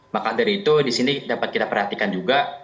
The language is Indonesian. maka dari itu disini dapat kita perhatikan juga